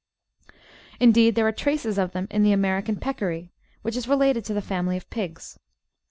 Indeed, there are traces of them in the American Peccary, which is related to the family of pigs.